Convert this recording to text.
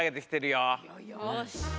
よし。